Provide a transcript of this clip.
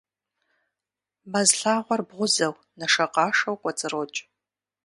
Мэз лъагъуэр бгъузэу, нэшэкъашэу кӀуэцӀрокӀ.